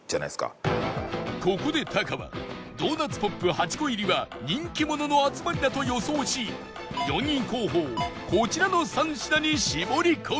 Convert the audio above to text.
ここでタカはドーナツポップ８個入りは人気者の集まりだと予想し４位候補をこちらの３品に絞り込んだ